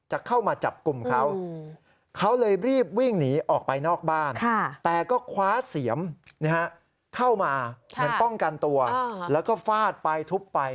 เหมือนป้องกันตัวแล้วก็ฟาดไปทุบไป